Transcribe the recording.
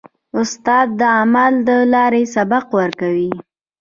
استاد د عمل له لارې سبق ورکوي.